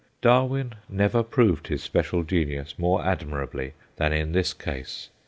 Darwin never proved his special genius more admirably than in this case.